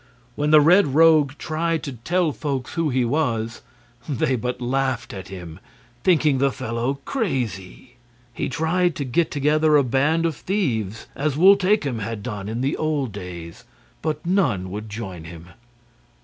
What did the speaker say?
When the Red Rogue tried to tell folks who he was, they but laughed at him, thinking the fellow crazy. He tried to get together a band of thieves, as Wul Takim had done in the old days, but none would join him.